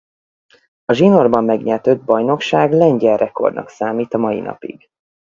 A zsinórban megnyert öt bajnokság lengyel rekordnak számít a mai napig.